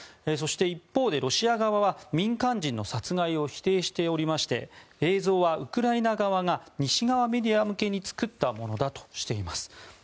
そして一方でロシア側は民間人の殺害を否定しておりまして映像はウクライナ側が西側メディア向けに作ったものだとしています。